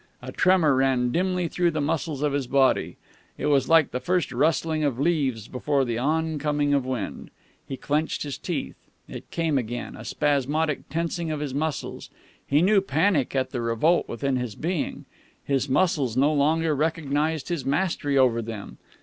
A tremor ran dimly through the muscles of his body. It was like the first rustling of leaves before the oncoming of wind. He clenched his teeth. It came again, a spasmodic tensing of his muscles. He knew panic at the revolt within his being. His muscles no longer recognized his mastery over them.